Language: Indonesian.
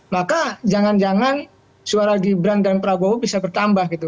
maka jangan jangan suara gibran dan prabowo bisa bertambah gitu